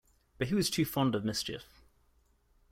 But he was too fond of mischief.